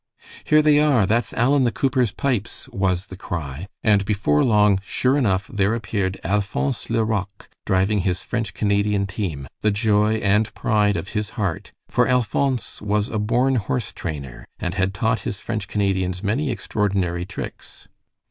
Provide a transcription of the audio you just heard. "Here they are! That's Alan the cooper's pipes," was the cry, and before long, sure enough there appeared Alphonse le Roque driving his French Canadian team, the joy and pride of his heart, for Alphonse was a born horse trainer, and had taught his French Canadians many extraordinary tricks.